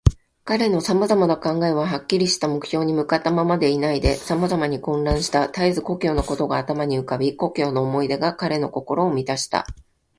彼のさまざまな考えは、はっきりした目標に向ったままでいないで、さまざまに混乱した。たえず故郷のことが頭に浮かび、故郷の思い出が彼の心をみたした。